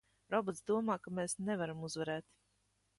Robots domā, ka mēs nevaram uzvarēt!